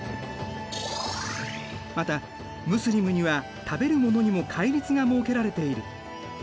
またムスリムには食べるものにも戒律が設けられている。